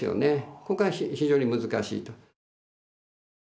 ここが非常に難しいと。